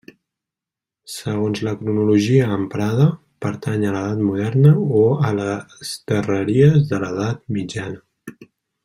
Segons la cronologia emprada, pertany a l'edat moderna o a les darreries de l'edat mitjana.